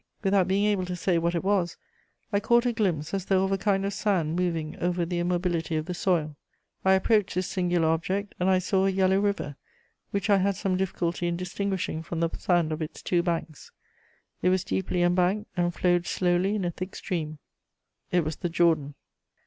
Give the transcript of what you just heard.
Without being able to say what it was, I caught a glimpse as though of a kind of sand moving over the immobility of the soil. I approached this singular object, and I saw a yellow river which I had some difficulty in distinguishing from the sand of its two banks. It was deeply embanked, and flowed slowly in a thick stream: it was the Jordan....